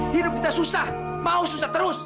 hidup kita susah mau susah terus